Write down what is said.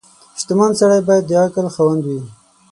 • شتمن سړی باید د عقل خاوند وي.